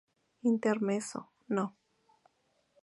Intermezzo No.